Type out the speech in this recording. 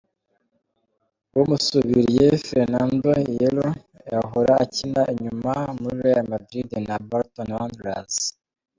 Uwumusubiriye, Fernando Hierro yahora akina inyuma muri Real Madrid na Bolton Wanderers.